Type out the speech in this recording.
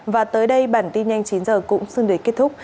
và tới đây bản tin nhanh chín h cũng xưng đầy kết thúc